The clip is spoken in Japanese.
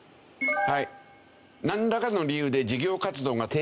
はい。